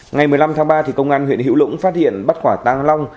ngày một mươi năm tháng ba công an huyện hữu lũng phát hiện bắt quả tăng long